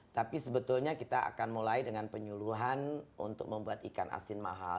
tapi sebetulnya kita akan mulai dengan penyuluhan untuk membuat ikan asin mahal